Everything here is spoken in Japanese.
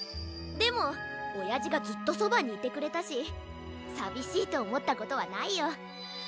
でもおやじがずっとそばにいてくれたしさびしいとおもったことはないよ。